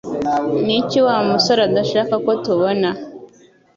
Ni iki Wa musore adashaka ko tubona?